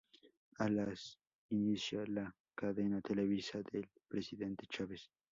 A las Inicia la cadena televisiva del Presidente Chávez.